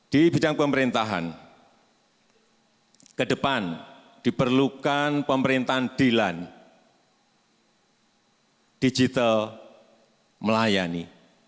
di bidang pemerintahan ke depan diperlukan pemerintahan dilan digital melayani